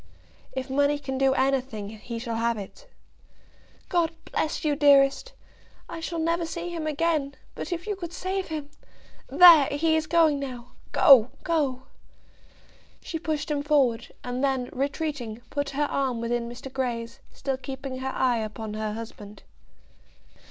"If money can do anything, he shall have it." "God bless you, dearest! I shall never see him again; but if you could save him! There; he is going now. Go; go." She pushed him forward, and then retreating, put her arm within Mr. Grey's, still keeping her eye upon her husband.